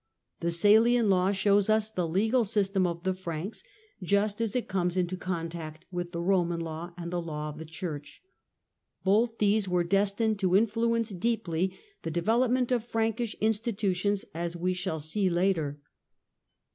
The Salian Law shows us the legal system of the Franks just as it comes into contact with the Eoman IJaw and the Law of the Church. Both these were lestined to influence deeply the development of Frankish nstitutions, as we shall see later.